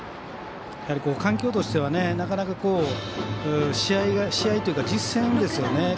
やはり環境としてはなかなか試合というか実戦ですよね。